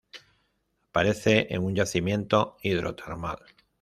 Aparece en un yacimiento hidrotermal.